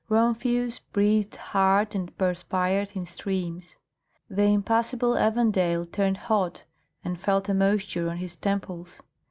Rumphius breathed hard and perspired in streams; the impassible Evandale turned hot and felt a moisture on his temples.